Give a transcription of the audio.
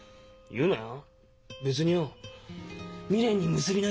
言うなよ。